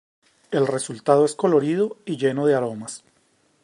El resultado es colorido y lleno de aromas.